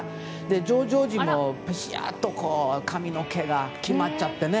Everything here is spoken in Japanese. ジョージ王子も髪の毛が決まっちゃってね。